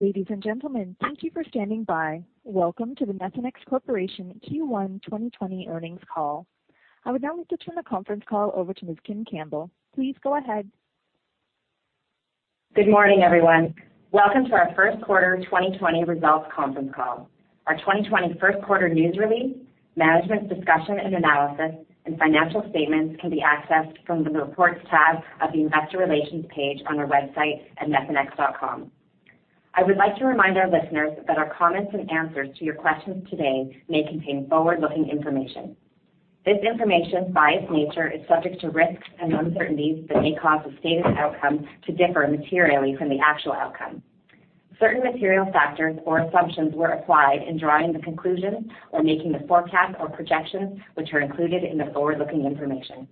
Ladies and gentlemen, thank you for standing by. Welcome to the Methanex Corporation Q1 2020 earnings call. I would now like to turn the conference call over to Ms. Kim Campbell. Please go ahead. Good morning, everyone. Welcome to our first quarter 2020 results conference call. Our 2020 first quarter news release, management's discussion and analysis, and financial statements can be accessed from the Reports tab of the Investor Relations page on our website at methanex.com. I would like to remind our listeners that our comments and answers to your questions today may contain forward-looking information. This information, by its nature, is subject to risks and uncertainties that may cause the stated outcome to differ materially from the actual outcome. Certain material factors or assumptions were applied in drawing the conclusions or making the forecasts or projections, which are included in the forward-looking information.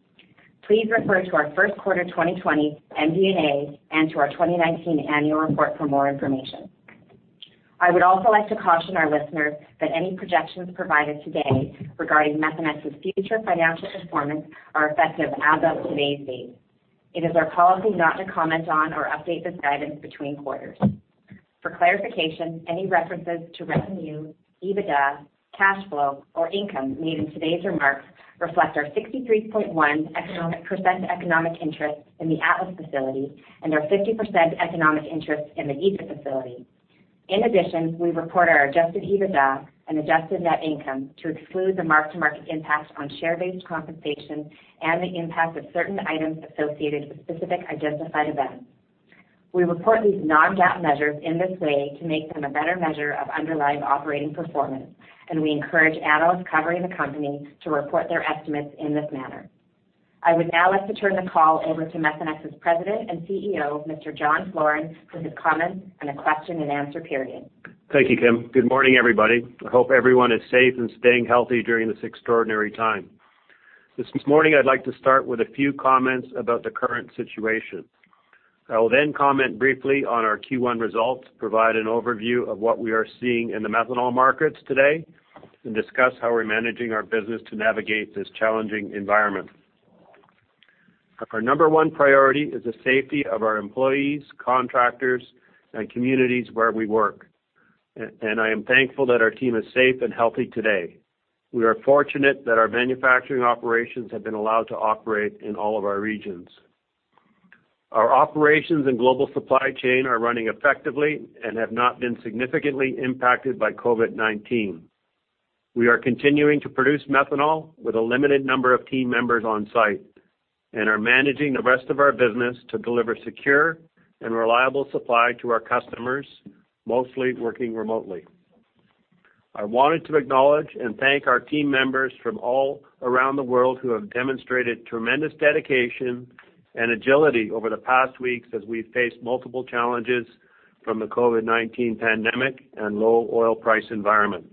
Please refer to our first quarter 2020 MD&A and to our 2019 annual report for more information. I would also like to caution our listeners that any projections provided today regarding Methanex's future financial performance are effective as of today's date. It is our policy not to comment on or update this guidance between quarters. For clarification, any references to revenue, EBITDA, cash flow, or income made in today's remarks reflect our 63.1% economic interest in the Atlas facility and our 50% economic interest in the Egypt facility. In addition, we report our adjusted EBITDA and adjusted net income to exclude the mark-to-market impact on share-based compensation and the impact of certain items associated with specific identified events. We report these non-GAAP measures in this way to make them a better measure of underlying operating performance, and we encourage analysts covering the company to report their estimates in this manner. I would now like to turn the call over to Methanex's President and CEO, Mr. John Floren, for his comments and a question and answer period. Thank you, Kim. Good morning, everybody. I hope everyone is safe and staying healthy during this extraordinary time. This morning, I'd like to start with a few comments about the current situation. I will then comment briefly on our Q1 results, provide an overview of what we are seeing in the methanol markets today, and discuss how we're managing our business to navigate this challenging environment. Our number one priority is the safety of our employees, contractors, and communities where we work. I am thankful that our team is safe and healthy today. We are fortunate that our manufacturing operations have been allowed to operate in all of our regions. Our operations and global supply chain are running effectively and have not been significantly impacted by COVID-19. We are continuing to produce methanol with a limited number of team members on-site and are managing the rest of our business to deliver secure and reliable supply to our customers, mostly working remotely. I wanted to acknowledge and thank our team members from all around the world who have demonstrated tremendous dedication and agility over the past weeks as we've faced multiple challenges from the COVID-19 pandemic and low oil price environment.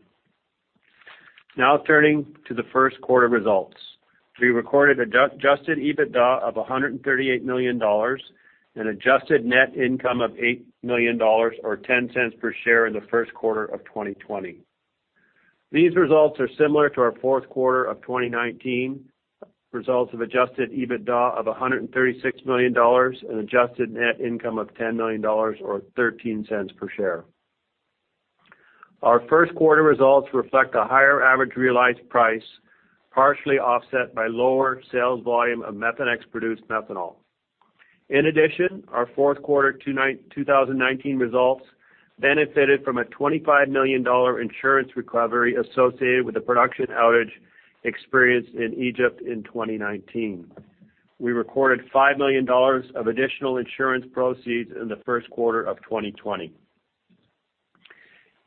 Now turning to the first quarter results. We recorded adjusted EBITDA of $138 million and adjusted net income of $8 million or $0.10 per share in the first quarter of 2020. These results are similar to our fourth quarter of 2019 results of adjusted EBITDA of $136 million and adjusted net income of $10 million or $0.13 per share. Our first quarter results reflect a higher average realized price, partially offset by lower sales volume of Methanex-produced methanol. In addition, our fourth quarter 2019 results benefited from a $25 million insurance recovery associated with the production outage experienced in Egypt in 2019. We recorded $5 million of additional insurance proceeds in the first quarter of 2020.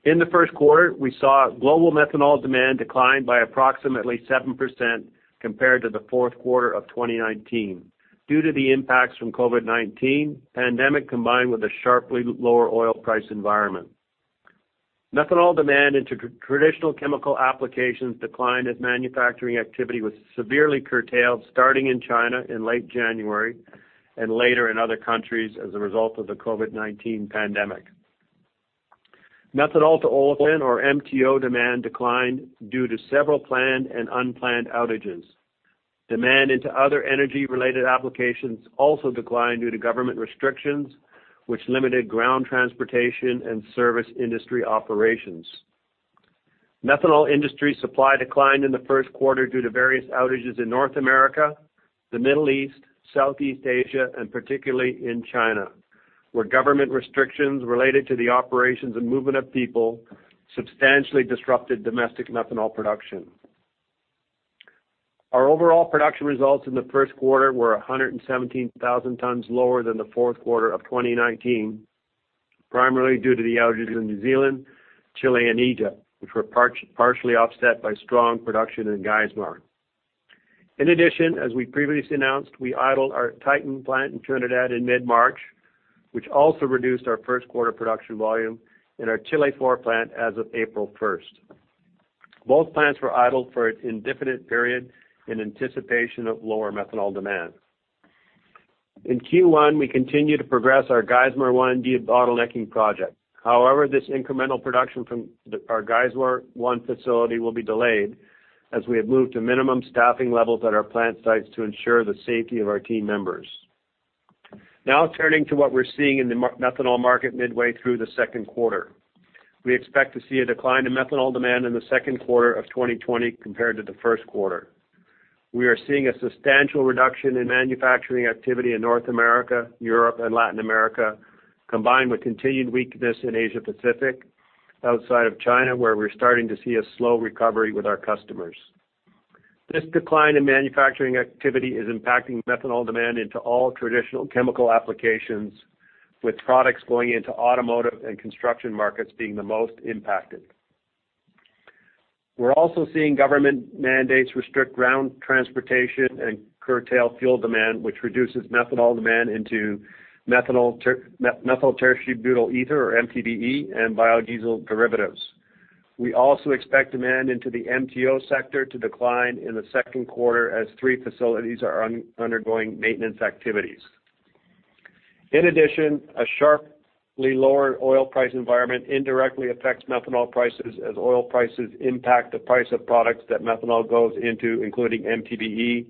In the first quarter, we saw global methanol demand decline by approximately 7% compared to the fourth quarter of 2019 due to the impacts from COVID-19 pandemic, combined with a sharply lower oil price environment. Methanol demand into traditional chemical applications declined as manufacturing activity was severely curtailed starting in China in late January and later in other countries as a result of the COVID-19 pandemic. Methanol to olefin or MTO demand declined due to several planned and unplanned outages. Demand into other energy-related applications also declined due to government restrictions, which limited ground transportation and service industry operations. Methanol industry supply declined in the first quarter due to various outages in North America, the Middle East, Southeast Asia, and particularly in China, where government restrictions related to the operations and movement of people substantially disrupted domestic methanol production. Our overall production results in the first quarter were 117,000 tons lower than the fourth quarter of 2019, primarily due to the outages in New Zealand, Chile, and Egypt, which were partially offset by strong production in Geismar. In addition, as we previously announced, we idled our Titan plant in Trinidad in mid-March, which also reduced our first quarter production volume in our Chile IV plant as of April 1st. Both plants were idled for an indefinite period in anticipation of lower methanol demand. In Q1, we continued to progress our Geismar 1 debottlenecking project. This incremental production from our Geismar 1 facility will be delayed as we have moved to minimum staffing levels at our plant sites to ensure the safety of our team members. Turning to what we're seeing in the methanol market midway through the second quarter. We expect to see a decline in methanol demand in the second quarter of 2020 compared to the first quarter. We are seeing a substantial reduction in manufacturing activity in North America, Europe, and Latin America, combined with continued weakness in Asia Pacific, outside of China, where we're starting to see a slow recovery with our customers. This decline in manufacturing activity is impacting methanol demand into all traditional chemical applications, with products going into automotive and construction markets being the most impacted. We're also seeing government mandates restrict ground transportation and curtail fuel demand, which reduces methanol demand into methyl tertiary butyl ether, or MTBE, and biodiesel derivatives. We also expect demand into the MTO sector to decline in the second quarter as three facilities are undergoing maintenance activities. In addition, a sharply lower oil price environment indirectly affects methanol prices as oil prices impact the price of products that methanol goes into, including MTBE,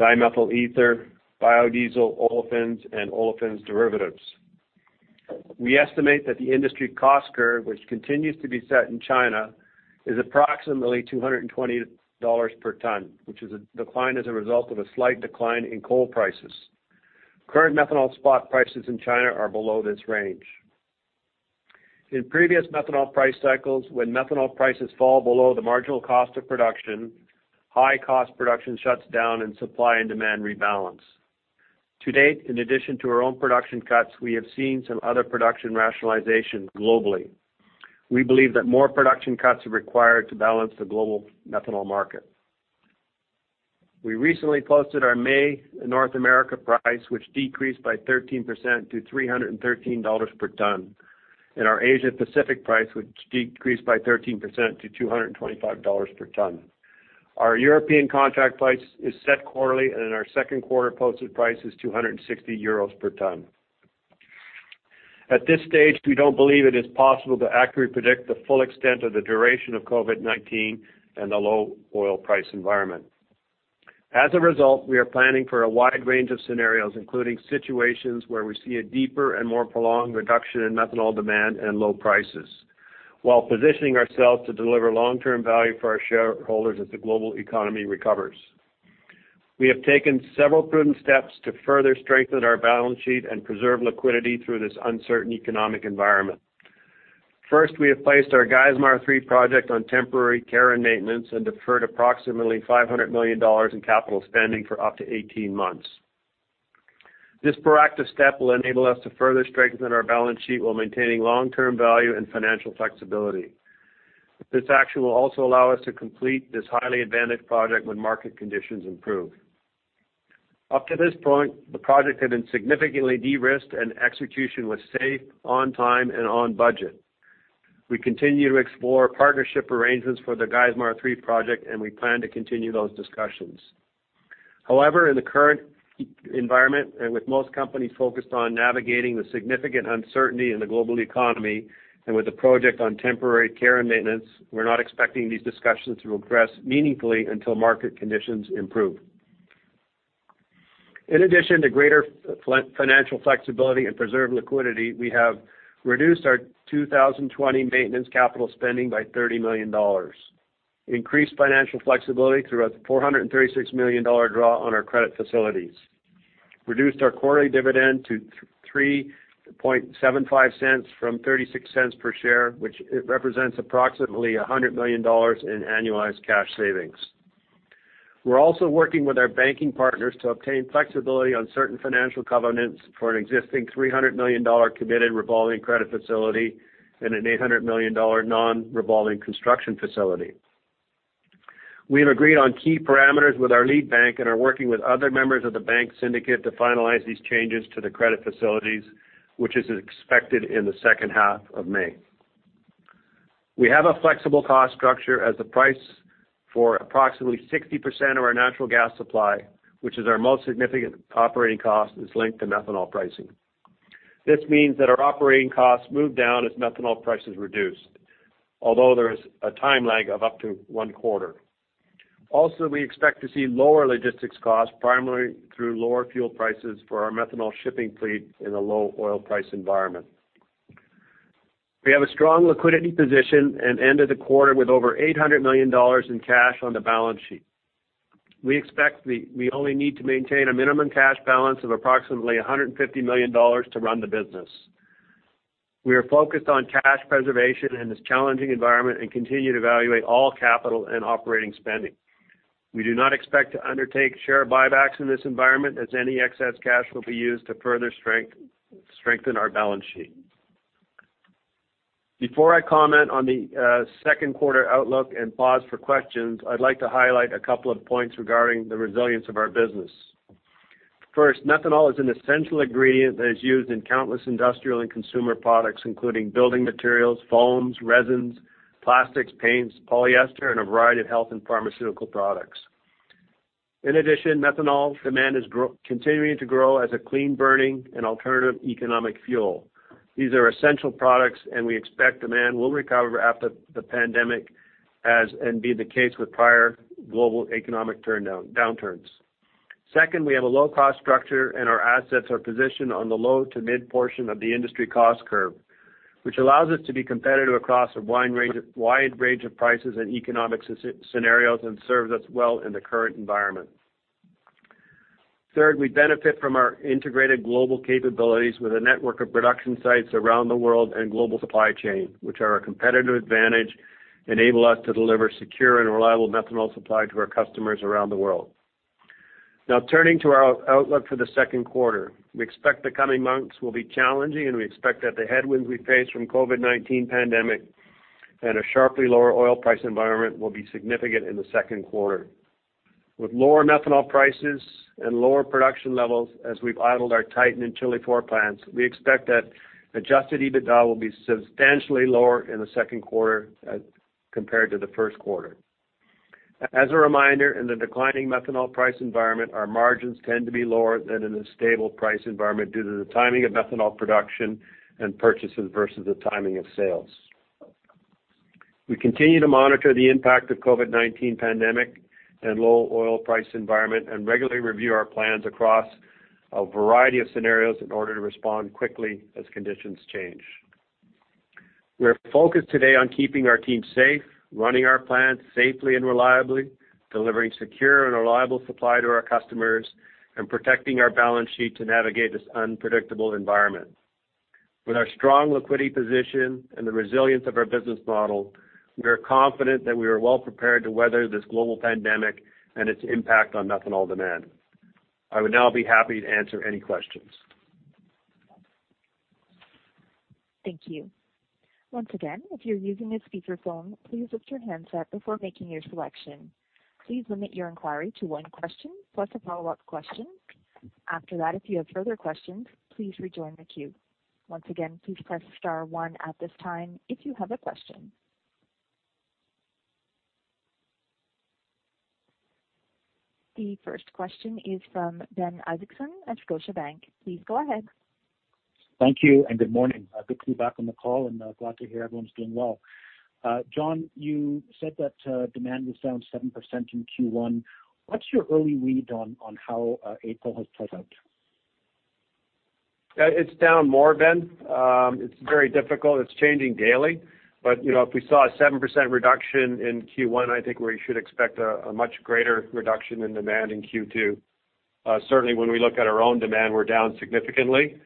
dimethyl ether, biodiesel, olefins, and olefins derivatives. We estimate that the industry cost curve, which continues to be set in China, is approximately $220 per ton, which is a decline as a result of a slight decline in coal prices. Current methanol spot prices in China are below this range. In previous methanol price cycles, when methanol prices fall below the marginal cost of production, high-cost production shuts down and supply and demand rebalance. To date, in addition to our own production cuts, we have seen some other production rationalization globally. We believe that more production cuts are required to balance the global methanol market. We recently posted our May North America price, which decreased by 13% to $313 per ton, and our Asia Pacific price, which decreased by 13% to $225 per ton. Our European contract price is set quarterly, and our second quarter posted price is 260 euros per ton. At this stage, we don't believe it is possible to accurately predict the full extent of the duration of COVID-19 and the low oil price environment. As a result, we are planning for a wide range of scenarios, including situations where we see a deeper and more prolonged reduction in methanol demand and low prices, while positioning ourselves to deliver long-term value for our shareholders as the global economy recovers. We have taken several prudent steps to further strengthen our balance sheet and preserve liquidity through this uncertain economic environment. First, we have placed our Geismar 3 project on temporary care and maintenance and deferred approximately $500 million in capital spending for up to 18 months. This proactive step will enable us to further strengthen our balance sheet while maintaining long-term value and financial flexibility. This action will also allow us to complete this highly advantaged project when market conditions improve. Up to this point, the project had been significantly de-risked, and execution was safe, on time, and on budget. We continue to explore partnership arrangements for the Geismar 3 project, and we plan to continue those discussions. In the current environment, with most companies focused on navigating the significant uncertainty in the global economy, with the project on temporary care and maintenance, we're not expecting these discussions to progress meaningfully until market conditions improve. In addition to greater financial flexibility and preserved liquidity, we have reduced our 2020 maintenance capital spending by $30 million. We have increased financial flexibility through a $436 million draw on our credit facilities. We have reduced our quarterly dividend to $0.0375 from $0.36 per share, which represents approximately $100 million in annualized cash savings. We're also working with our banking partners to obtain flexibility on certain financial covenants for an existing $300 million committed revolving credit facility and an $800 million non-revolving construction facility. We have agreed on key parameters with our lead bank and are working with other members of the bank syndicate to finalize these changes to the credit facilities, which is expected in the second half of May. We have a flexible cost structure as the price for approximately 60% of our natural gas supply, which is our most significant operating cost, is linked to methanol pricing. This means that our operating costs move down as methanol prices reduce, although there is a time lag of up to one quarter. We expect to see lower logistics costs, primarily through lower fuel prices for our methanol shipping fleet in a low oil price environment. We have a strong liquidity position and ended the quarter with over $800 million in cash on the balance sheet. We expect we only need to maintain a minimum cash balance of approximately $150 million to run the business. We are focused on cash preservation in this challenging environment and continue to evaluate all capital and operating spending. We do not expect to undertake share buybacks in this environment, as any excess cash will be used to further strengthen our balance sheet. Before I comment on the second quarter outlook and pause for questions, I'd like to highlight a couple of points regarding the resilience of our business. First, methanol is an essential ingredient that is used in countless industrial and consumer products, including building materials, foams, resins, plastics, paints, polyester, and a variety of health and pharmaceutical products. In addition, methanol demand is continuing to grow as a clean-burning and alternative economic fuel. These are essential products, and we expect demand will recover after the pandemic as is the case with prior global economic downturns. We have a low-cost structure, and our assets are positioned on the low to mid portion of the industry cost curve, which allows us to be competitive across a wide range of prices and economic scenarios and serves us well in the current environment. We benefit from our integrated global capabilities with a network of production sites around the world and global supply chain, which are a competitive advantage, enable us to deliver secure and reliable methanol supply to our customers around the world. Turning to our outlook for the second quarter. We expect the coming months will be challenging, and we expect that the headwinds we face from COVID-19 pandemic and a sharply lower oil price environment will be significant in the second quarter. With lower methanol prices and lower production levels as we've idled our Titan and Chile IV plants, we expect that adjusted EBITDA will be substantially lower in the second quarter compared to the first quarter. As a reminder, in the declining methanol price environment, our margins tend to be lower than in a stable price environment due to the timing of methanol production and purchases versus the timing of sales. We continue to monitor the impact of COVID-19 pandemic and low oil price environment and regularly review our plans across a variety of scenarios in order to respond quickly as conditions change. We're focused today on keeping our team safe, running our plants safely and reliably, delivering secure and reliable supply to our customers, and protecting our balance sheet to navigate this unpredictable environment. With our strong liquidity position and the resilience of our business model, we are confident that we are well prepared to weather this global pandemic and its impact on methanol demand. I would now be happy to answer any questions. Thank you. Once again, if you're using a speakerphone, please mute your handset before making your selection. Please limit your inquiry to one question, plus a follow-up question. After that, if you have further questions, please rejoin the queue. Once again, please press star one at this time if you have a question. The first question is from Ben Isaacson at Scotiabank. Please go ahead. Thank you, and good morning. Good to be back on the call and glad to hear everyone's doing well. John, you said that demand was down 7% in Q1. What's your early read on how April has played out? It's down more, Ben. It's very difficult. It's changing daily. If we saw a 7% reduction in Q1, I think we should expect a much greater reduction in demand in Q2. Certainly, when we look at our own demand, we're down significantly.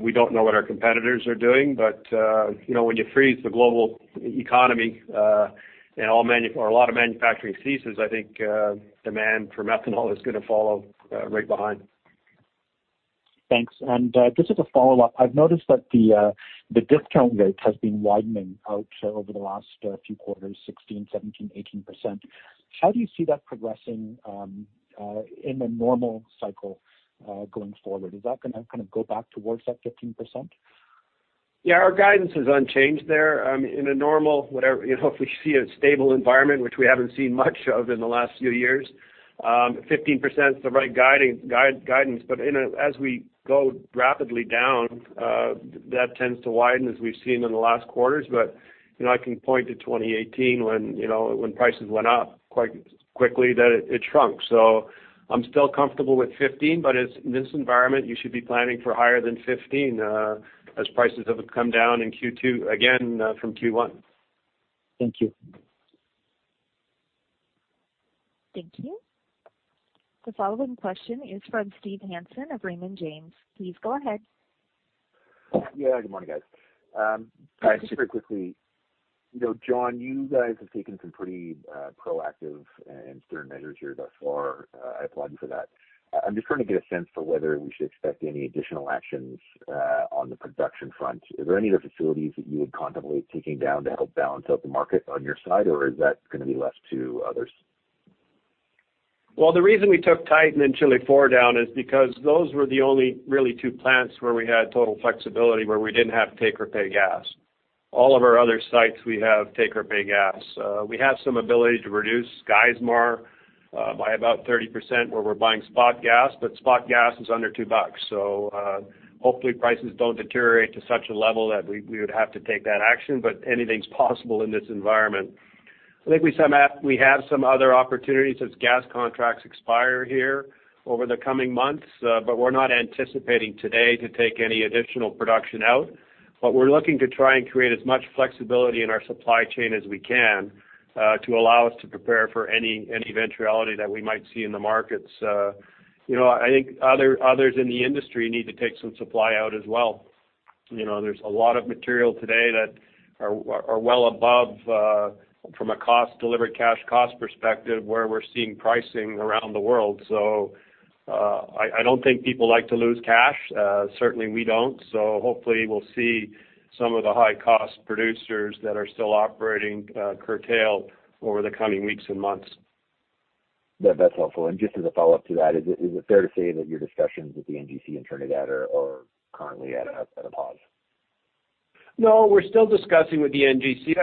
We don't know what our competitors are doing, but when you freeze the global economy or a lot of manufacturing ceases, I think demand for methanol is going to follow right behind. Thanks. Just as a follow-up, I've noticed that the discount rate has been widening out over the last few quarters, 16%, 17%, 18%. How do you see that progressing in a normal cycle going forward? Is that going to kind of go back towards that 15%? Our guidance is unchanged there. In a normal, if we see a stable environment, which we haven't seen much of in the last few years, 15% is the right guidance. As we go rapidly down, that tends to widen as we've seen in the last quarters. I can point to 2018 when prices went up quite quickly that it shrunk. I'm still comfortable with 15%, but in this environment, you should be planning for higher than 15% as prices have come down in Q2, again, from Q1. Thank you. Thank you. The following question is from Steve Hansen of Raymond James. Please go ahead. Yeah, good morning, guys. Just very quickly, John, you guys have taken some pretty proactive and stern measures here thus far. I applaud you for that. I'm just trying to get a sense for whether we should expect any additional actions on the production front. Is there any other facilities that you would contemplate taking down to help balance out the market on your side, or is that going to be left to others? The reason we took Titan and Chile IV down is because those were the only really two plants where we had total flexibility where we didn't have take-or-pay gas. All of our other sites we have take-or-pay gas. We have some ability to reduce Geismar by about 30% where we're buying spot gas, but spot gas is under $2. Hopefully prices don't deteriorate to such a level that we would have to take that action, but anything's possible in this environment. I think we have some other opportunities as gas contracts expire here over the coming months, but we're not anticipating today to take any additional production out. We're looking to try and create as much flexibility in our supply chain as we can to allow us to prepare for any eventuality that we might see in the markets. I think others in the industry need to take some supply out as well. There's a lot of material today that are well above from a cost delivered cash cost perspective where we're seeing pricing around the world. I don't think people like to lose cash. Certainly, we don't. Hopefully we'll see some of the high cost producers that are still operating curtail over the coming weeks and months. That's helpful. Just as a follow-up to that, is it fair to say that your discussions with the NGC in Trinidad are currently at a pause? No, we're still discussing with the NGC.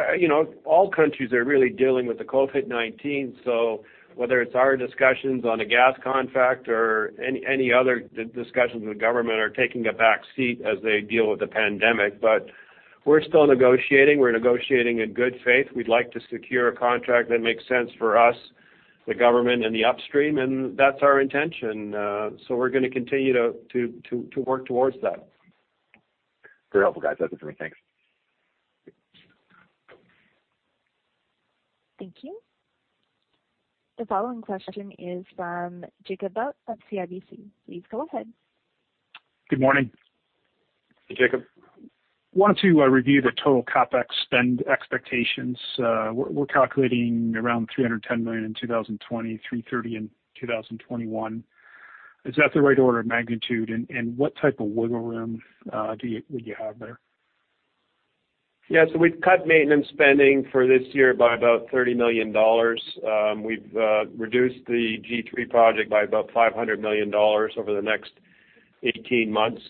All countries are really dealing with the COVID-19, so whether it's our discussions on a gas contract or any other discussions with the government are taking a back seat as they deal with the pandemic. We're still negotiating. We're negotiating in good faith. We'd like to secure a contract that makes sense for us, the government, and the upstream, and that's our intention. We're going to continue to work towards that. Very helpful, guys. That's it for me. Thanks. Thank you. The following question is from Jacob Bout of CIBC. Please go ahead. Good morning. Hey, Jacob. Wanted to review the total CapEx spend expectations. We're calculating around $310 million in 2020, $330 million in 2021. Is that the right order of magnitude, and what type of wiggle room would you have there? We've cut maintenance spending for this year by about $30 million. We've reduced the G3 project by about $500 million over the next 18 months.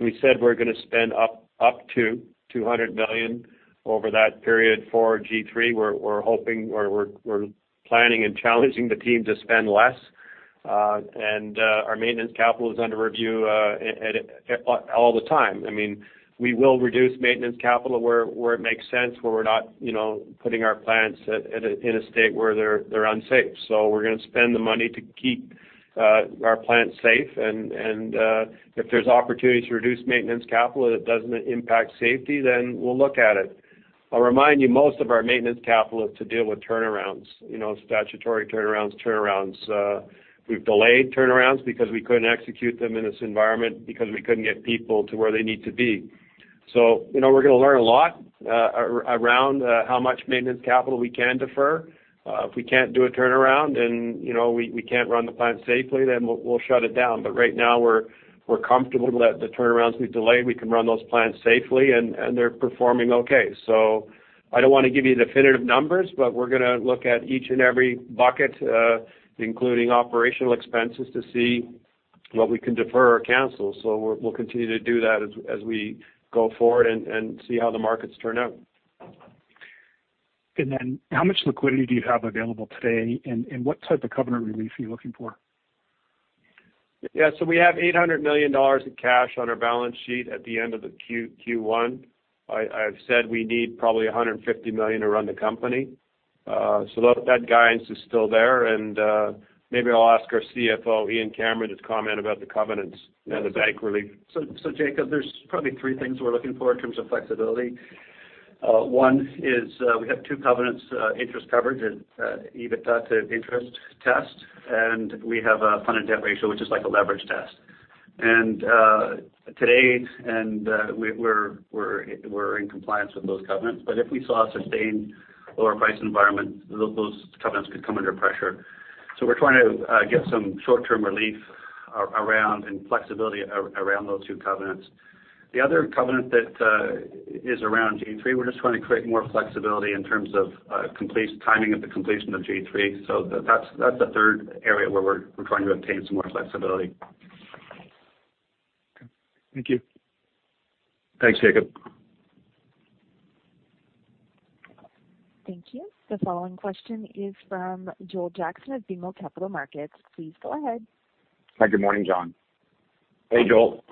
We said we're going to spend up to $200 million over that period for G3. We're planning and challenging the team to spend less. Our maintenance capital is under review all the time. We will reduce maintenance capital where it makes sense, where we're not putting our plants in a state where they're unsafe. We're going to spend the money to keep our plants safe, and if there's opportunity to reduce maintenance capital that doesn't impact safety, then we'll look at it. I'll remind you, most of our maintenance capital is to deal with turnarounds, statutory turnarounds. We've delayed turnarounds because we couldn't execute them in this environment because we couldn't get people to where they need to be. We're going to learn a lot around how much maintenance capital we can defer. If we can't do a turnaround and we can't run the plant safely, then we'll shut it down. Right now, we're comfortable that the turnarounds we've delayed, we can run those plants safely, and they're performing okay. I don't want to give you definitive numbers, but we're going to look at each and every bucket, including operational expenses, to see what we can defer or cancel. We'll continue to do that as we go forward and see how the markets turn out. How much liquidity do you have available today, and what type of covenant relief are you looking for? We have $800 million in cash on our balance sheet at the end of Q1. I've said we need probably $150 million to run the company. That guidance is still there, and maybe I'll ask our CFO, Ian Cameron, to comment about the covenants and the bank relief. Jacob, there's probably three things we're looking for in terms of flexibility. One is we have two covenants, interest coverage and EBITDA to interest test, and we have a funded debt ratio, which is like a leverage test. To date, we're in compliance with those covenants. If we saw a sustained lower price environment, those covenants could come under pressure. We're trying to get some short-term relief around and flexibility around those two covenants. The other covenant that is around G3, we're just trying to create more flexibility in terms of timing of the completion of G3. That's the third area where we're trying to obtain some more flexibility. Okay. Thank you. Thanks, Jacob. Thank you. The following question is from Joel Jackson of BMO Capital Markets. Please go ahead. Hi. Good morning, John. Hey, Joel.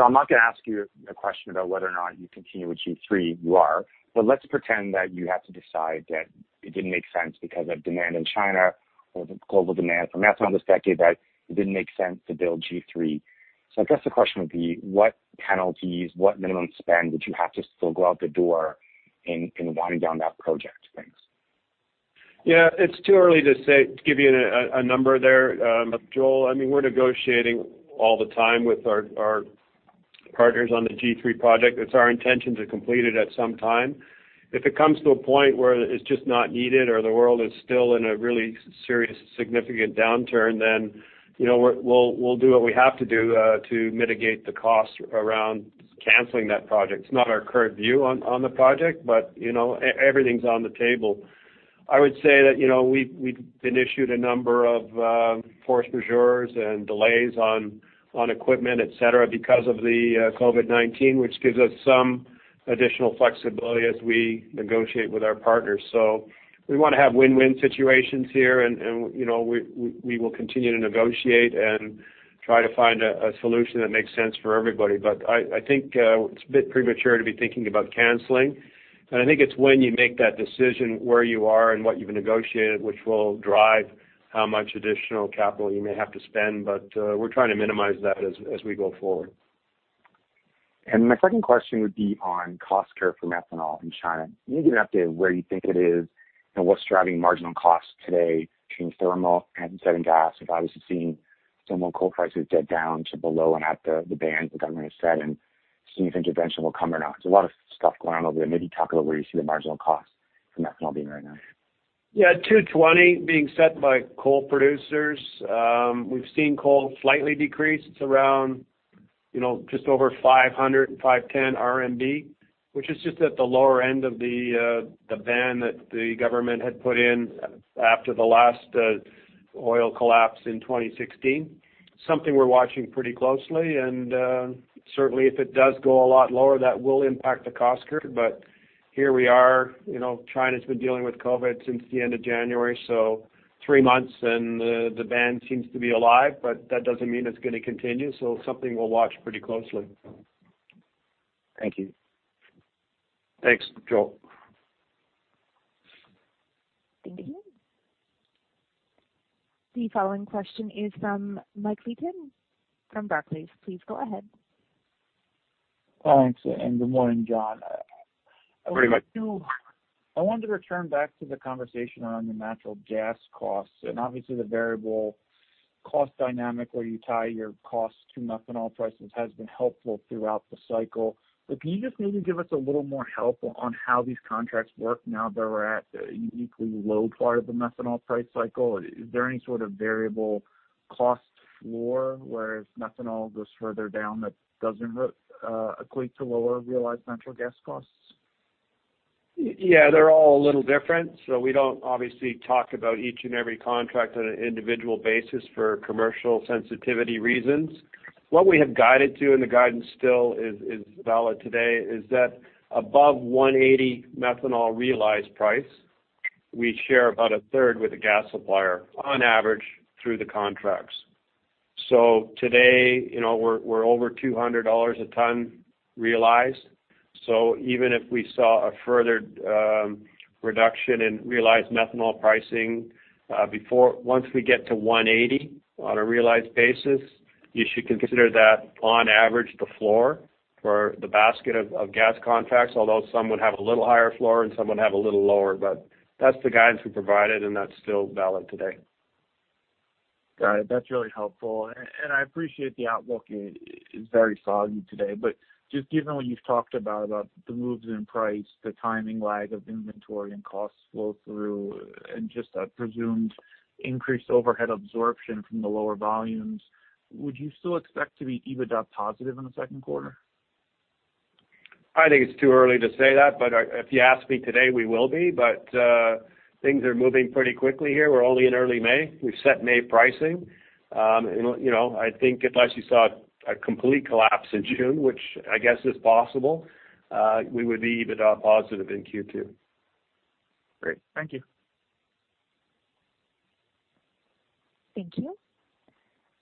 I'm not going to ask you a question about whether or not you continue with G3. You are. Let's pretend that you had to decide that it didn't make sense because of demand in China or the global demand for methanol this decade that it didn't make sense to build G3. I guess the question would be, what penalties, what minimum spend would you have to still go out the door in winding down that project? Thanks. It's too early to give you a number there, Joel. We're negotiating all the time with our partners on the G3 project. It's our intention to complete it at some time. If it comes to a point where it's just not needed or the world is still in a really serious, significant downturn, we'll do what we have to do to mitigate the cost around canceling that project. It's not our current view on the project, everything's on the table. I would say that we've been issued a number of force majeures and delays on equipment, et cetera, because of the COVID-19, which gives us some additional flexibility as we negotiate with our partners. We want to have win-win situations here, and we will continue to negotiate and try to find a solution that makes sense for everybody. I think it's a bit premature to be thinking about canceling. I think it's when you make that decision, where you are and what you've negotiated, which will drive how much additional capital you may have to spend. We're trying to minimize that as we go forward. My second question would be on cost curve for methanol in China. Can you give an update where you think it is and what's driving marginal costs today between thermal and natural gas? Obviously seeing thermal coal prices get down to below and at the band the government has set and see if intervention will come or not. There's a lot of stuff going on over there. Maybe talk about where you see the marginal cost for methanol being right now. 220 being set by coal producers. We've seen coal slightly decrease. It's around just over 500 and 510 RMB, which is just at the lower end of the band that the government had put in after the last oil collapse in 2016. Something we're watching pretty closely. Certainly if it does go a lot lower, that will impact the cost curve. Here we are. China's been dealing with COVID-19 since the end of January, so three months, and the ban seems to be alive, but that doesn't mean it's going to continue. Something we'll watch pretty closely. Thank you. Thanks, Joel. Thank you. The following question is from Mike Leithead from Barclays. Please go ahead. Thanks, good morning, John. Morning, Mike. I wanted to return back to the conversation around your natural gas costs and obviously the variable cost dynamic where you tie your costs to methanol prices has been helpful throughout the cycle. Can you just maybe give us a little more help on how these contracts work now that we're at a uniquely low part of the methanol price cycle? Is there any sort of variable cost floor where if methanol goes further down, that doesn't equate to lower realized natural gas costs? They're all a little different. We don't obviously talk about each and every contract on an individual basis for commercial sensitivity reasons. What we have guided to, and the guidance still is valid today, is that above $180 methanol realized price, we share about a third with the gas supplier on average through the contracts. Today, we're over $200 a ton realized. Even if we saw a further reduction in realized methanol pricing, once we get to $180 on a realized basis, you should consider that on average, the floor for the basket of gas contracts, although some would have a little higher floor and some would have a little lower. That's the guidance we provided, and that's still valid today. Got it. That's really helpful. I appreciate the outlook is very soggy today, but just given what you've talked about the moves in price, the timing lag of inventory and costs flow through and just a presumed increased overhead absorption from the lower volumes, would you still expect to be EBITDA positive in the second quarter? I think it's too early to say that, but if you ask me today, we will be. Things are moving pretty quickly here. We're only in early May. We've set May pricing. I think unless you saw a complete collapse in June, which I guess is possible, we would be EBITDA positive in Q2. Great. Thank you. Thank you.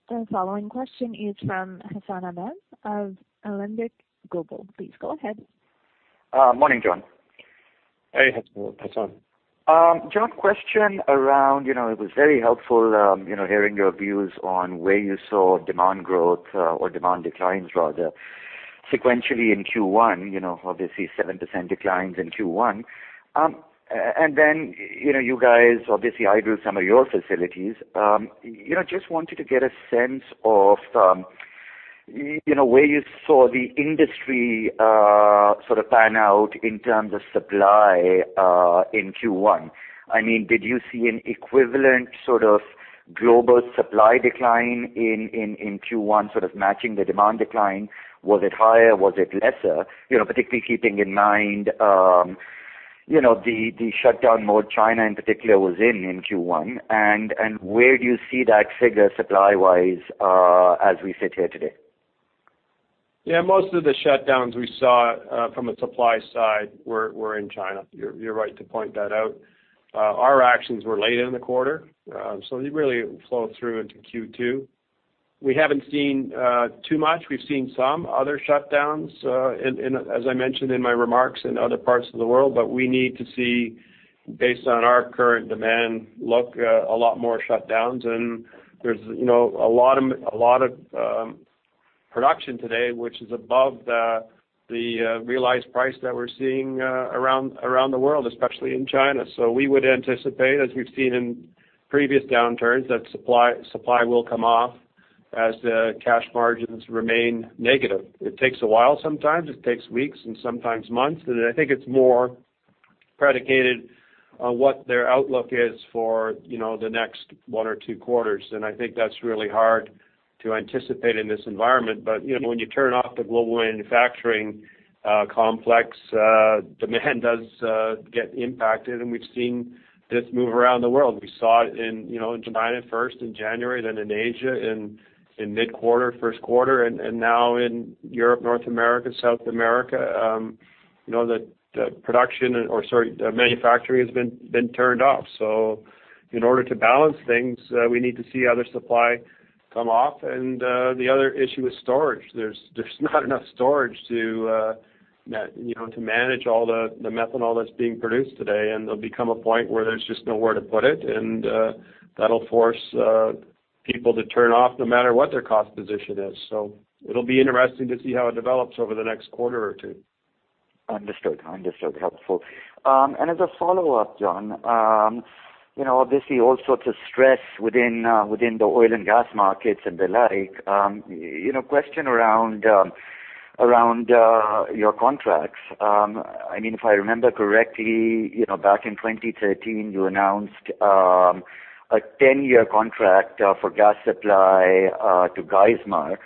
The following question is from Hassan Ahmed of Alembic Global Advisors. Please go ahead. Morning, John. Hey, Hassan. John, it was very helpful hearing your views on where you saw demand growth or demand declines rather sequentially in Q1, obviously 7% declines in Q1. You guys, obviously, I do some of your facilities. Just wanted to get a sense of where you saw the industry sort of pan out in terms of supply in Q1. Did you see an equivalent sort of global supply decline in Q1 sort of matching the demand decline? Was it higher? Was it lesser? Particularly keeping in mind the shutdown mode China in particular was in Q1 and where do you see that figure supply-wise as we sit here today? Yeah, most of the shutdowns we saw from a supply side were in China. You're right to point that out. Our actions were late in the quarter, so it really flowed through into Q2. We haven't seen too much. We've seen some other shutdowns, as I mentioned in my remarks in other parts of the world, but we need to see, based on our current demand look, a lot more shutdowns. There's a lot of production today, which is above the realized price that we're seeing around the world, especially in China. We would anticipate, as we've seen in previous downturns, that supply will come off as the cash margins remain negative. It takes a while sometimes. It takes weeks and sometimes months. I think it's more predicated on what their outlook is for the next one or two quarters. I think that's really hard to anticipate in this environment. When you turn off the global manufacturing complex, demand does get impacted, and we've seen this move around the world. We saw it in China first in January, then in Asia in mid-quarter, first quarter, and now in Europe, North America, South America. The production or, sorry, the manufacturing has been turned off. In order to balance things, we need to see other supply come off, and the other issue is storage. There's not enough storage to manage all the methanol that's being produced today, and there'll become a point where there's just nowhere to put it, and that'll force people to turn off no matter what their cost position is. It'll be interesting to see how it develops over the next quarter or two. Understood. Helpful. As a follow-up, John, obviously all sorts of stress within the oil and gas markets and the like. Question around your contracts. If I remember correctly, back in 2013, you announced a 10-year contract for gas supply to Geismar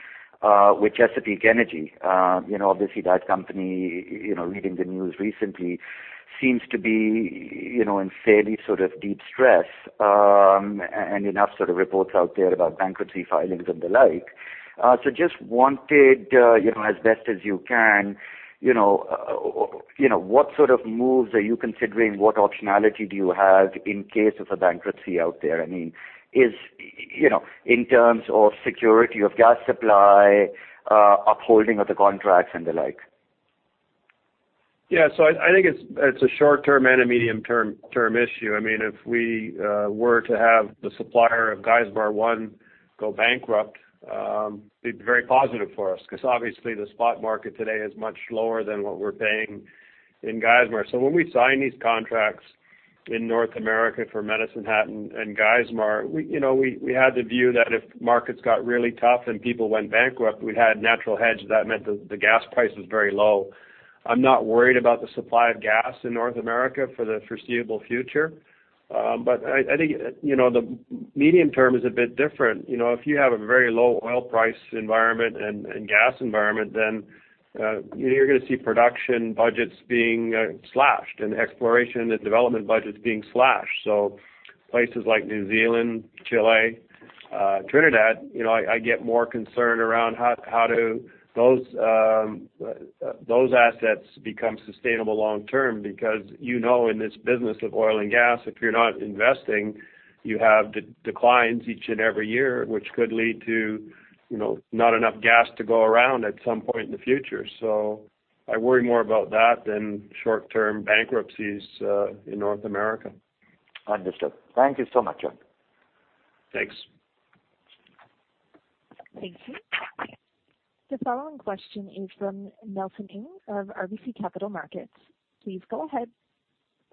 with Chesapeake Energy. Obviously that company, reading the news recently, seems to be in fairly deep stress, and enough reports out there about bankruptcy filings and the like. Just wanted, as best as you can, what sort of moves are you considering? What optionality do you have in case of a bankruptcy out there? In terms of security of gas supply, upholding of the contracts, and the like. I think it's a short-term and a medium-term issue. If we were to have the supplier of Geismar 1 go bankrupt, it'd be very positive for us because obviously the spot market today is much lower than what we're paying in Geismar. When we sign these contracts in North America for Medicine Hat and Geismar, we had the view that if markets got really tough and people went bankrupt, we had natural hedge. That meant that the gas price was very low. I'm not worried about the supply of gas in North America for the foreseeable future. I think, the medium term is a bit different. If you have a very low oil price environment and gas environment, you're going to see production budgets being slashed and exploration and development budgets being slashed. Places like New Zealand, Chile, Trinidad, I get more concerned around how do those assets become sustainable long term? You know in this business of oil and gas, if you're not investing, you have declines each and every year, which could lead to not enough gas to go around at some point in the future. I worry more about that than short-term bankruptcies in North America. Understood. Thank you so much. Thanks. Thank you. The following question is from Nelson Ng of RBC Capital Markets. Please go ahead.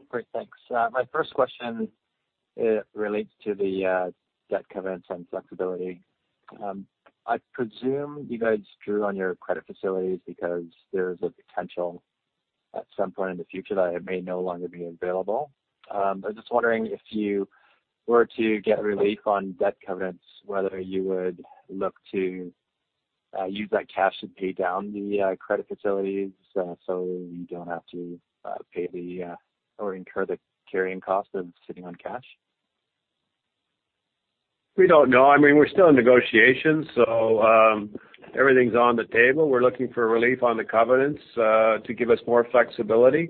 Great. Thanks. My first question relates to the debt covenants and flexibility. I presume you guys drew on your credit facilities because there is a potential at some point in the future that it may no longer be available. I was just wondering if you were to get relief on debt covenants, whether you would look to use that cash to pay down the credit facilities so you don't have to pay or incur the carrying cost of sitting on cash? We don't know. We're still in negotiations. Everything's on the table. We're looking for relief on the covenants to give us more flexibility.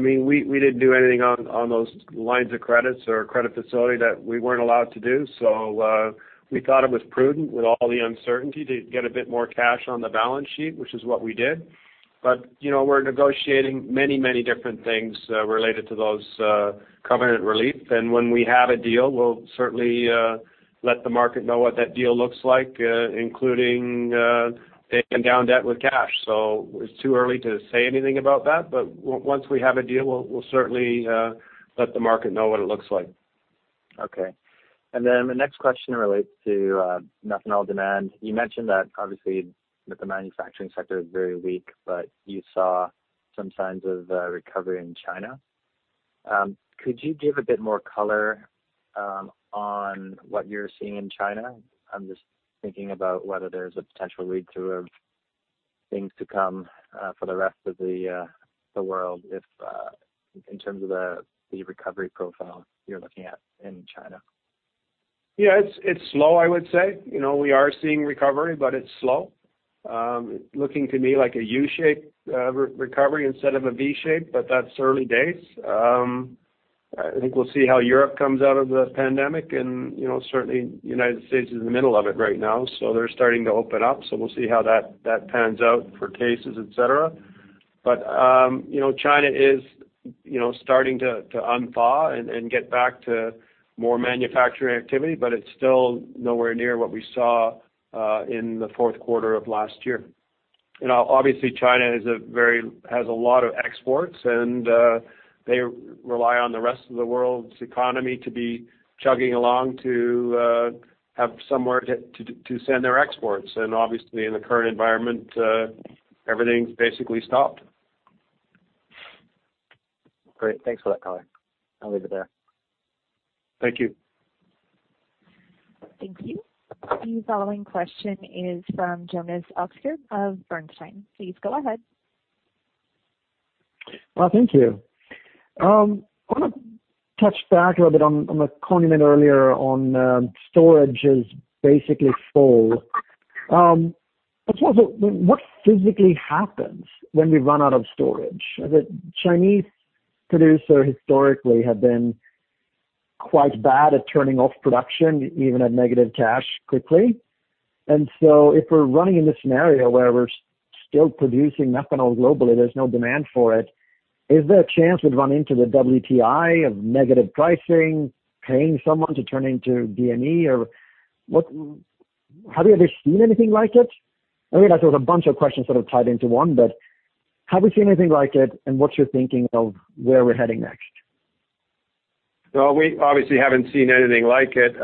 We didn't do anything on those lines of credits or credit facility that we weren't allowed to do. We thought it was prudent with all the uncertainty to get a bit more cash on the balance sheet, which is what we did. We're negotiating many different things related to those covenant relief. When we have a deal, we'll certainly let the market know what that deal looks like, including paying down debt with cash. It's too early to say anything about that, but once we have a deal, we'll certainly let the market know what it looks like. Okay. My next question relates to methanol demand. You mentioned that obviously that the manufacturing sector is very weak, but you saw some signs of recovery in China. Could you give a bit more color on what you're seeing in China? I'm just thinking about whether there's a potential read through of things to come for the rest of the world in terms of the recovery profile you're looking at in China. Yeah. It's slow, I would say. We are seeing recovery, but it's slow. Looking to me like a U-shaped recovery instead of a V shape, but that's early days. I think we'll see how Europe comes out of the pandemic and certainly United States is in the middle of it right now, so they're starting to open up. We'll see how that pans out for cases, et cetera. China is starting to unthaw and get back to more manufacturing activity, but it's still nowhere near what we saw in the fourth quarter of last year. Obviously, China has a lot of exports, and they rely on the rest of the world's economy to be chugging along to have somewhere to send their exports. Obviously, in the current environment, everything's basically stopped. Great. Thanks for that color. I'll leave it there. Thank you. Thank you. The following question is from Jonas Oxgaard of Bernstein. Please go ahead. Well, thank you. I want to touch back a little bit on the comment you made earlier on storage is basically full. I suppose what physically happens when we run out of storage? The Chinese producer historically have been quite bad at turning off production, even at negative cash quickly. If we're running in this scenario where we're still producing methanol globally, there's no demand for it, is there a chance we'd run into the WTI of negative pricing, paying someone to turn into DME? Have you ever seen anything like it? I realize there was a bunch of questions sort of tied into one, but have we seen anything like it, and what's your thinking of where we're heading next? No, we obviously haven't seen anything like it.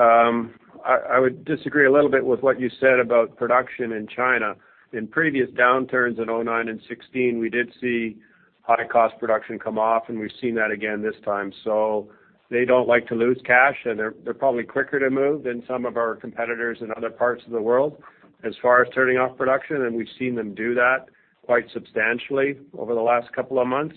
I would disagree a little bit with what you said about production in China. In previous downturns in 2009 and 2016, we did see high cost production come off, and we've seen that again this time. They don't like to lose cash, and they're probably quicker to move than some of our competitors in other parts of the world as far as turning off production, and we've seen them do that quite substantially over the last couple of months.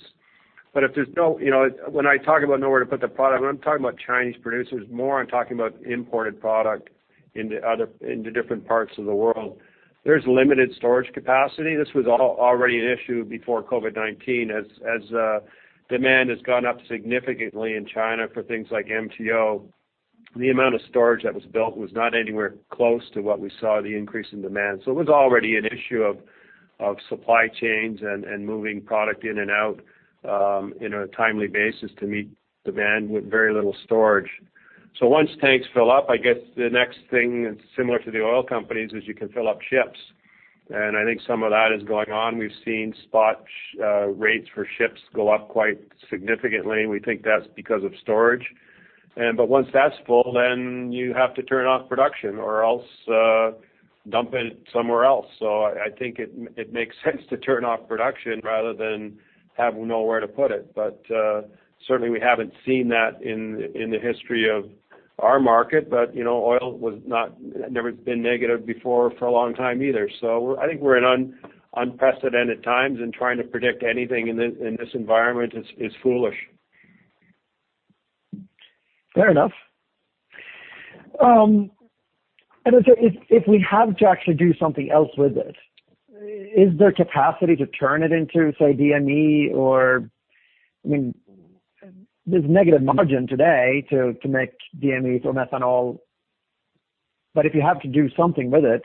When I talk about nowhere to put the product, when I'm talking about Chinese producers more, I'm talking about imported product into different parts of the world. There's limited storage capacity. This was already an issue before COVID-19. As demand has gone up significantly in China for things like MTO, the amount of storage that was built was not anywhere close to what we saw the increase in demand. It was already an issue of supply chains and moving product in and out in a timely basis to meet demand with very little storage. Once tanks fill up, I guess the next thing that's similar to the oil companies is you can fill up ships, and I think some of that is going on. We've seen spot rates for ships go up quite significantly. We think that's because of storage. Once that's full, then you have to turn off production or else dump it somewhere else. I think it makes sense to turn off production rather than have nowhere to put it. Certainly we haven't seen that in the history of our market, but oil has never been negative before for a long time either. I think we're in unprecedented times, and trying to predict anything in this environment is foolish. Fair enough. If we have to actually do something else with it, is there capacity to turn it into, say, DME? There's negative margin today to make DME from methanol, if you have to do something with it,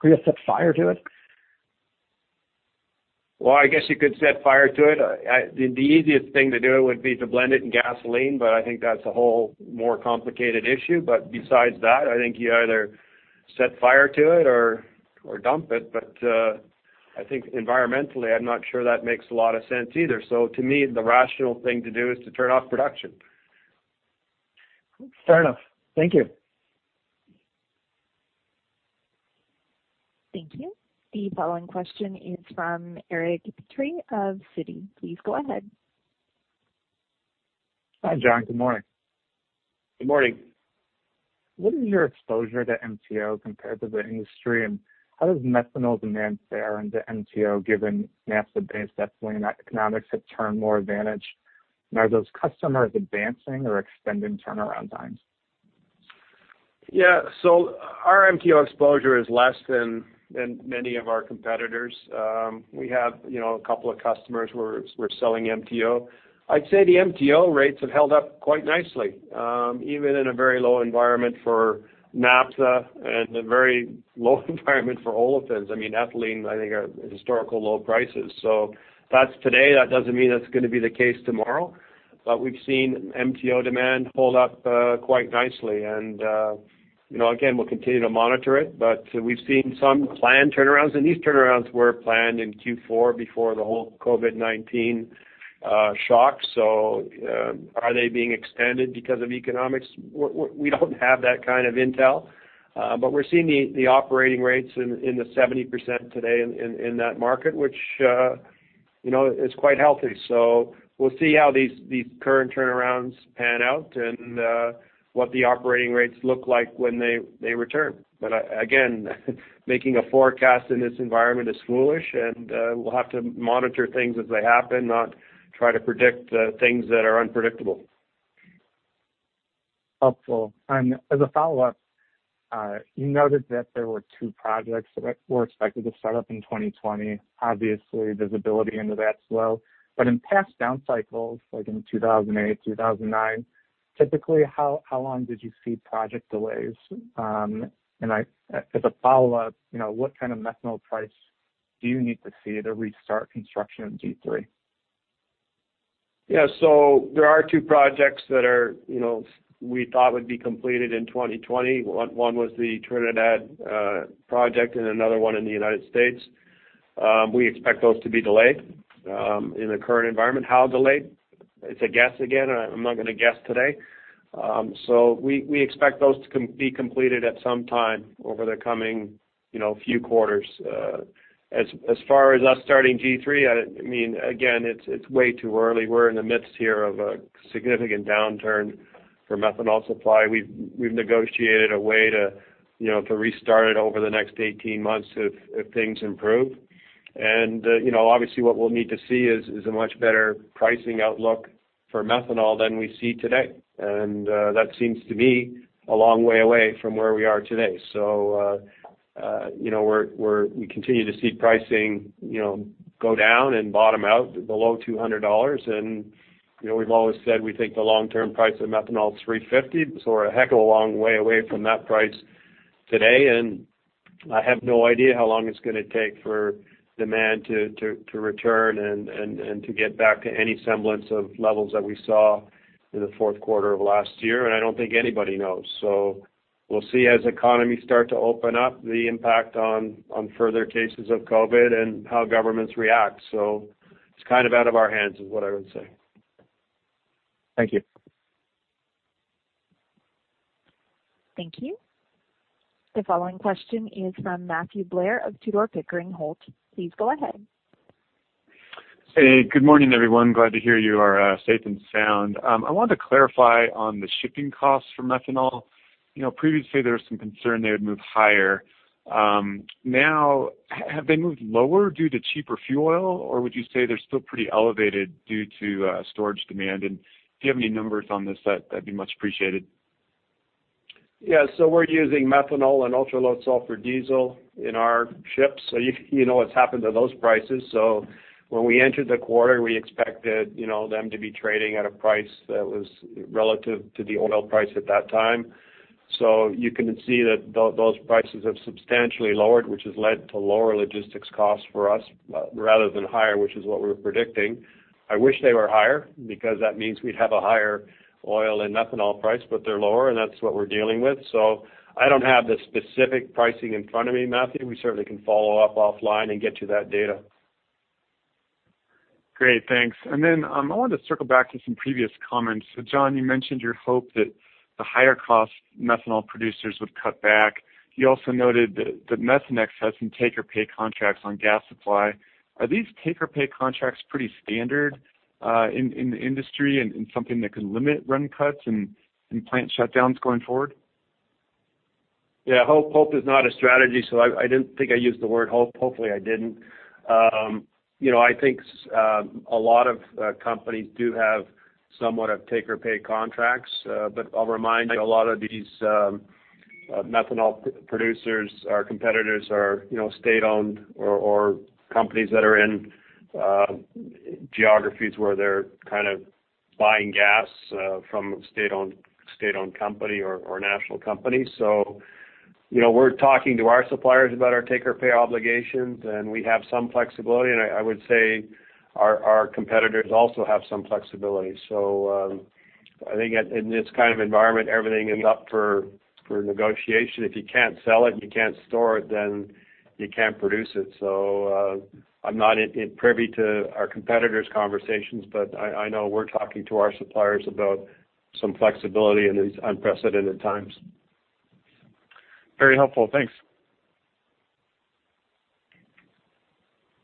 could you set fire to it? Well, I guess you could set fire to it. The easiest thing to do would be to blend it in gasoline, but I think that's a whole more complicated issue. Besides that, I think you either set fire to it or dump it. I think environmentally, I'm not sure that makes a lot of sense either. To me, the rational thing to do is to turn off production. Fair enough. Thank you. Thank you. The following question is from Eric Petrie of Citi. Please go ahead. Hi, John. Good morning. Good morning. What is your exposure to MTO compared to the industry, and how does methanol demand fare into MTO given naphtha-based ethylene economics have turned more advantage? Are those customers advancing or extending turnaround times? Yeah. Our MTO exposure is less than many of our competitors. We have a couple of customers where we're selling MTO. I'd say the MTO rates have held up quite nicely, even in a very low environment for naphtha and a very low environment for olefins. Ethylene, I think, are at historical low prices. That's today. That doesn't mean that's going to be the case tomorrow, but we've seen MTO demand hold up quite nicely. Again, we'll continue to monitor it, but we've seen some planned turnarounds, and these turnarounds were planned in Q4 before the whole COVID-19 shock. Are they being extended because of economics? We don't have that kind of intel. We're seeing the operating rates in the 70% today in that market, which is quite healthy. We'll see how these current turnarounds pan out and what the operating rates look like when they return. Again, making a forecast in this environment is foolish, and we'll have to monitor things as they happen, not try to predict things that are unpredictable. Helpful. As a follow-up, you noted that there were two projects that were expected to start up in 2020. Obviously, visibility into that is low, but in past down cycles, like in 2008, 2009, typically, how long did you see project delays? As a follow-up, what kind of methanol price do you need to see to restart construction of G3? There are two projects that we thought would be completed in 2020. One was the Trinidad project and another one in the United States. We expect those to be delayed in the current environment. How delayed? It's a guess again, I'm not going to guess today. We expect those to be completed at some time over the coming few quarters. As far as us starting G3, again, it's way too early. We're in the midst here of a significant downturn for methanol supply. We've negotiated a way to restart it over the next 18 months if things improve. Obviously, what we'll need to see is a much better pricing outlook for methanol than we see today. That seems to be a long way away from where we are today. We continue to see pricing go down and bottom out below $200. We've always said we think the long-term price of methanol is $350, so we're a heck of a long way away from that price today. I have no idea how long it's going to take for demand to return and to get back to any semblance of levels that we saw in the fourth quarter of last year, and I don't think anybody knows. We'll see as economies start to open up, the impact on further cases of COVID-19 and how governments react. It's kind of out of our hands is what I would say. Thank you. Thank you. The following question is from Matthew Blair of Tudor, Pickering Holt. Please go ahead. Hey, good morning, everyone. Glad to hear you are safe and sound. I wanted to clarify on the shipping costs for methanol. Previously, there was some concern they would move higher. Now, have they moved lower due to cheaper fuel oil? Would you say they're still pretty elevated due to storage demand? If you have any numbers on this, that'd be much appreciated. Yeah. We're using methanol and ultra-low sulfur diesel in our ships. You know what's happened to those prices. When we entered the quarter, we expected them to be trading at a price that was relative to the oil price at that time. You can see that those prices have substantially lowered, which has led to lower logistics costs for us rather than higher, which is what we were predicting. I wish they were higher because that means we'd have a higher oil and methanol price, but they're lower and that's what we're dealing with. I don't have the specific pricing in front of me, Matthew. We certainly can follow up offline and get you that data. Great. Thanks. I wanted to circle back to some previous comments. John, you mentioned your hope that the higher cost methanol producers would cut back. You also noted that Methanex has some take-or-pay contracts on gas supply. Are these take-or-pay contracts pretty standard in the industry and something that can limit run cuts and plant shutdowns going forward? Hope is not a strategy, so I didn't think I used the word hope. Hopefully, I didn't. I'll remind you, a lot of these methanol producers, our competitors are state-owned or companies that are in geographies where they're kind of buying gas from a state-owned company or a national company. We're talking to our suppliers about our take-or-pay obligations, and we have some flexibility. I would say our competitors also have some flexibility. I think in this kind of environment, everything is up for negotiation. If you can't sell it and you can't store it, then you can't produce it. I'm not privy to our competitors' conversations, but I know we're talking to our suppliers about some flexibility in these unprecedented times. Very helpful. Thanks.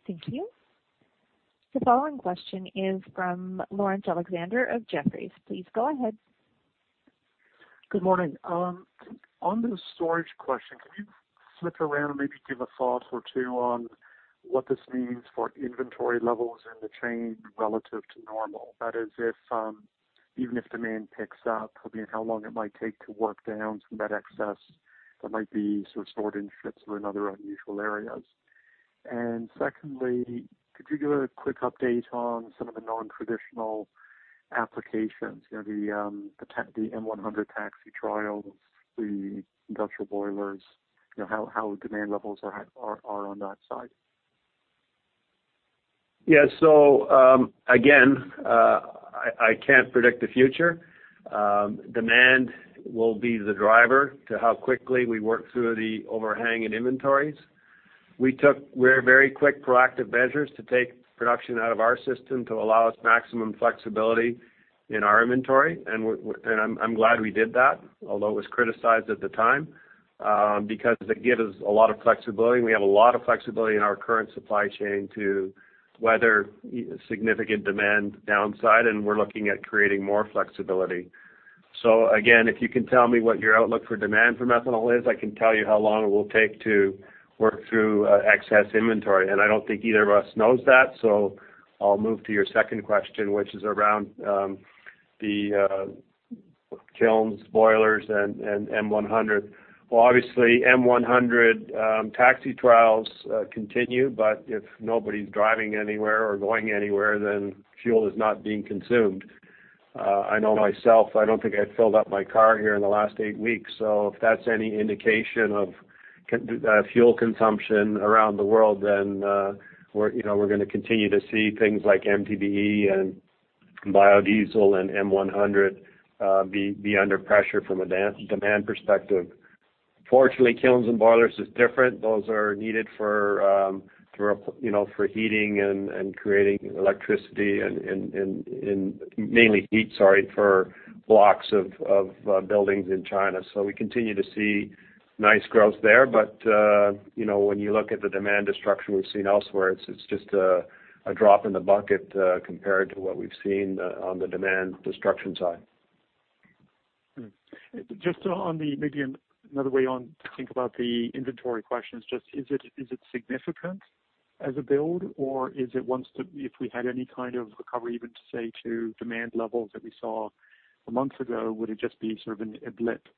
Thank you. The following question is from Laurence Alexander of Jefferies. Please go ahead. Good morning. On the storage question, can you flip around and maybe give a thought or two on what this means for inventory levels in the chain relative to normal? That is, even if demand picks up, how long it might take to work down some of that excess that might be sort of stored in ships or in other unusual areas. Secondly, could you give a quick update on some of the non-traditional applications? The M100 taxi trials, the industrial boilers, how demand levels are on that side. Yeah. Again, I can't predict the future. Demand will be the driver to how quickly we work through the overhanging inventories. We took very quick proactive measures to take production out of our system to allow us maximum flexibility in our inventory. I'm glad we did that, although it was criticized at the time because it gave us a lot of flexibility, and we have a lot of flexibility in our current supply chain to weather significant demand downside, and we're looking at creating more flexibility. Again, if you can tell me what your outlook for demand for methanol is, I can tell you how long it will take to work through excess inventory. I don't think either of us knows that. I'll move to your second question, which is around the kilns, boilers and M100. Well, obviously, M100 taxi trials continue, but if nobody's driving anywhere or going anywhere, then fuel is not being consumed. I know myself, I don't think I filled up my car here in the last eight weeks. If that's any indication of fuel consumption around the world, then we're gonna continue to see things like MTBE and biodiesel and M100 be under pressure from a demand perspective. Fortunately, kilns and boilers is different. Those are needed for heating and creating electricity and mainly heat, sorry, for blocks of buildings in China. We continue to see nice growth there. When you look at the demand destruction we've seen elsewhere, it's just a drop in the bucket compared to what we've seen on the demand destruction side. Just on the, maybe another way to think about the inventory question is just, is it significant as a build? Or if we had any kind of recovery even to, say, to demand levels that we saw a month ago, would it just be sort of a blip?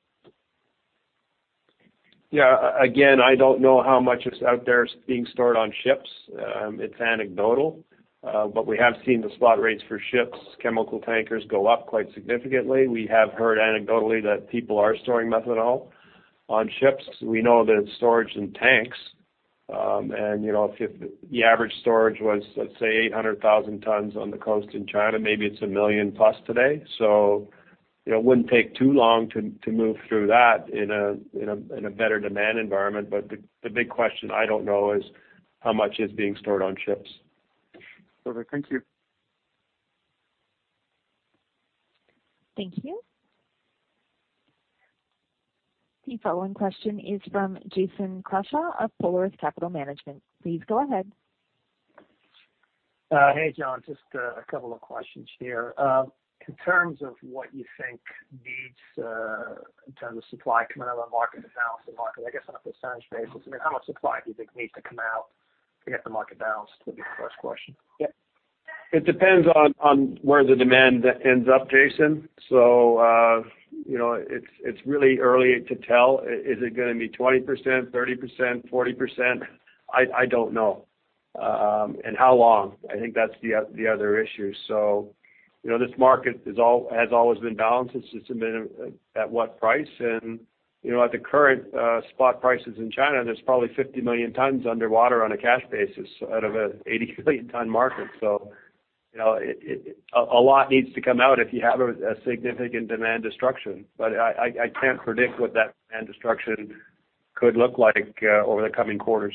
Yeah. Again, I don't know how much is out there being stored on ships. It's anecdotal. We have seen the slot rates for ships, chemical tankers go up quite significantly. We have heard anecdotally that people are storing methanol on ships. We know that it's storage in tanks. If the average storage was, let's say, 800,000 tons on the coast in China, maybe it's 1 million+ today. It wouldn't take too long to move through that in a better demand environment. The big question I don't know is how much is being stored on ships. Perfect. Thank you. Thank you. The following question is from Jason Crawshaw of Polaris Capital Management. Please go ahead. Hey, John. Just a couple of questions here. In terms of what you think needs, in terms of supply coming out of the market to balance the market, I guess on a percentage basis, how much supply do you think needs to come out to get the market balanced? That would be the first question. Yeah. It depends on where the demand ends up, Jason. It's really early to tell. Is it gonna be 20%, 30%, 40%? I don't know. How long? I think that's the other issue. This market has always been balanced. It's just been at what price? At the current spot prices in China, there's probably 50 million tons underwater on a cash basis out of a 80-million ton market. A lot needs to come out if you have a significant demand destruction. I can't predict what that demand destruction could look like over the coming quarters.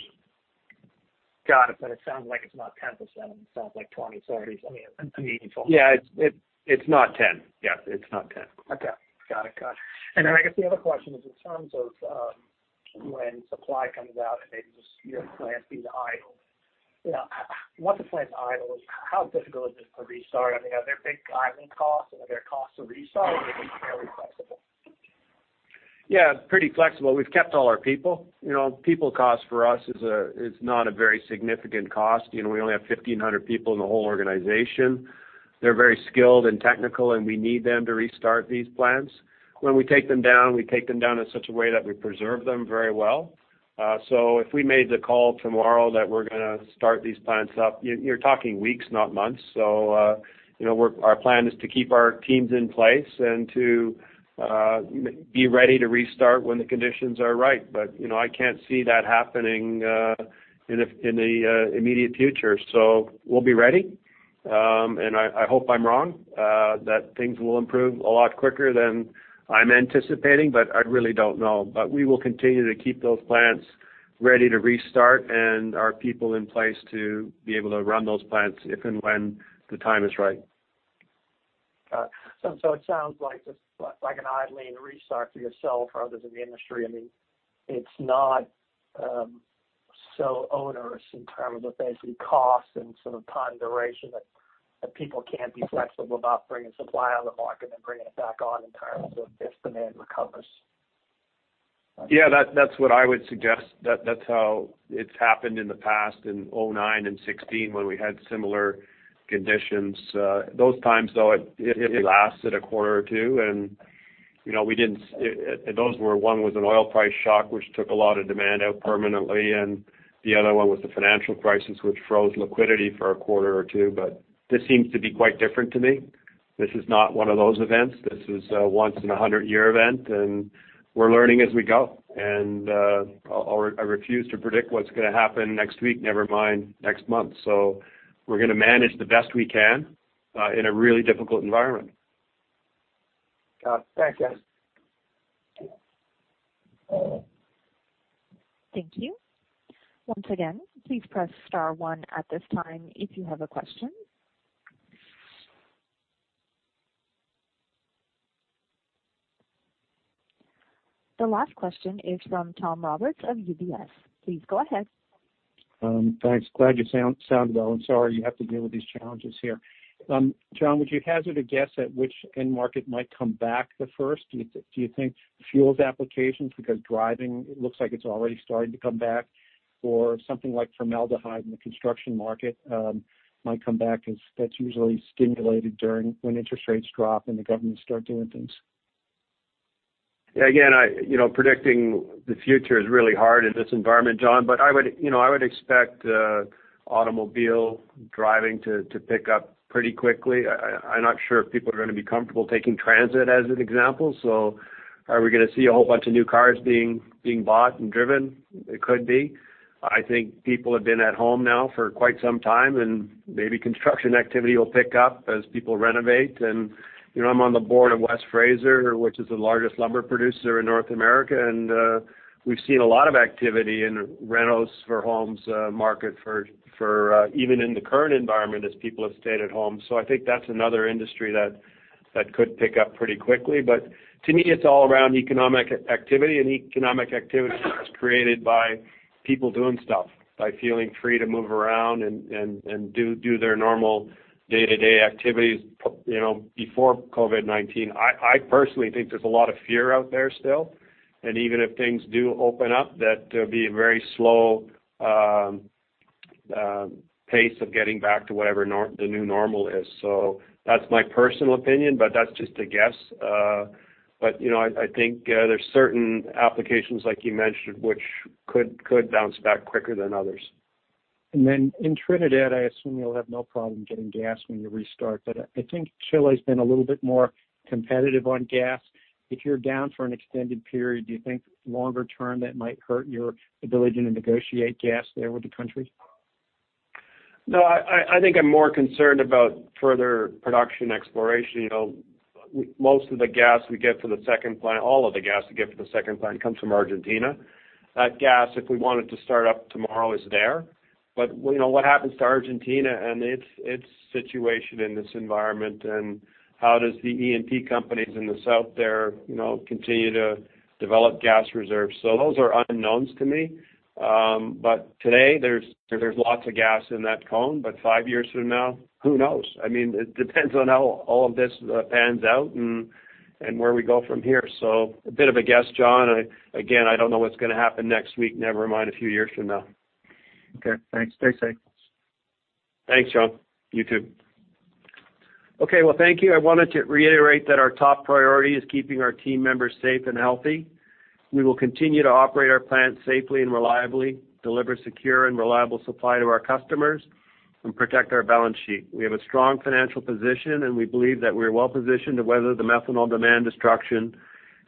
Got it. It sounds like it's not 10% of itself, like 20%, 30%. I mean. Yeah, it's not 10%. Yeah. It's not 10%. Okay. Got it. I guess the other question is in terms of when supply comes out and maybe just your plant being idle. Once a plant's idle, how difficult is it to restart? Are there big idling costs? Are there costs to restart? Is it fairly flexible? Yeah, pretty flexible. We've kept all our people. People cost for us is not a very significant cost. We only have 1,500 people in the whole organization. They're very skilled and technical, and we need them to restart these plants. When we take them down, we take them down in such a way that we preserve them very well. If we made the call tomorrow that we're going to start these plants up, you're talking weeks, not months. Our plan is to keep our teams in place and to be ready to restart when the conditions are right. I can't see that happening in the immediate future. We'll be ready. I hope I'm wrong, that things will improve a lot quicker than I'm anticipating, but I really don't know. We will continue to keep those plants ready to restart and our people in place to be able to run those plants if and when the time is right. Got it. It sounds like an idling restart for yourself or others in the industry. It's not so onerous in terms of basically cost and sort of time duration that people can't be flexible about bringing supply on the market and bringing it back on in terms of if demand recovers. Yeah, that's what I would suggest. That's how it's happened in the past, in 2009 and 2016 when we had similar conditions. Those times, though, it lasted a quarter or two, and those were one was an oil price shock, which took a lot of demand out permanently, and the other one was the financial crisis, which froze liquidity for a quarter or two. This seems to be quite different to me. This is not one of those events. This is a once in 100-year event, and we're learning as we go. I refuse to predict what's gonna happen next week, never mind next month. We're gonna manage the best we can in a really difficult environment. Got it. Thanks, guys. Thank you. Once again, please press star one at this time if you have a question. The last question is from Tom Roberts of UBS. Please go ahead. Thanks. Glad you sound well, and sorry you have to deal with these challenges here. John, would you hazard a guess at which end market might come back the first? Do you think fuels applications because driving looks like it's already starting to come back, or something like formaldehyde in the construction market might come back, as that's usually stimulated when interest rates drop and the governments start doing things? Again, predicting the future is really hard in this environment, John. I would expect automobile driving to pick up pretty quickly. I'm not sure if people are gonna be comfortable taking transit, as an example. Are we gonna see a whole bunch of new cars being bought and driven? It could be. I think people have been at home now for quite some time, maybe construction activity will pick up as people renovate. I'm on the board of West Fraser, which is the largest lumber producer in North America, and we've seen a lot of activity in renos for homes market even in the current environment as people have stayed at home. I think that's another industry that could pick up pretty quickly. To me, it's all around economic activity, and economic activity is created by people doing stuff, by feeling free to move around and do their normal day-to-day activities before COVID-19. I personally think there's a lot of fear out there still, and even if things do open up, that there'll be a very slow pace of getting back to whatever the new normal is. That's my personal opinion, but that's just a guess. I think there's certain applications like you mentioned, which could bounce back quicker than others. In Trinidad, I assume you'll have no problem getting gas when you restart, but I think Chile's been a little bit more competitive on gas. If you're down for an extended period, do you think longer term that might hurt your ability to negotiate gas there with the countries? No, I think I'm more concerned about further production exploration. All of the gas we get for the second plant comes from Argentina. That gas, if we wanted to start up tomorrow, is there. What happens to Argentina and its situation in this environment, and how does the E&P companies in the south there continue to develop gas reserves? Those are unknowns to me. Today there's lots of gas in that cone, but five years from now, who knows? It depends on how all of this pans out and where we go from here. A bit of a guess, Tom. Again, I don't know what's going to happen next week, never mind a few years from now. Okay. Thanks. Stay safe. Thanks, Tom. You too. Okay, well, thank you. I wanted to reiterate that our top priority is keeping our team members safe and healthy. We will continue to operate our plants safely and reliably, deliver secure and reliable supply to our customers, and protect our balance sheet. We have a strong financial position, and we believe that we're well-positioned to weather the methanol demand destruction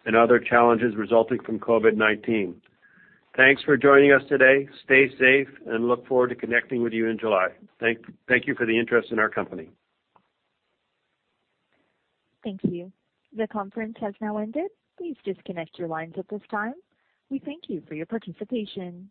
and other challenges resulting from COVID-19. Thanks for joining us today. Stay safe and look forward to connecting with you in July. Thank you for the interest in our company. Thank you. The conference has now ended. Please disconnect your lines at this time. We thank you for your participation.